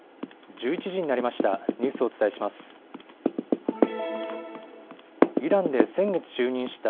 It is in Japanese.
１１時になりました。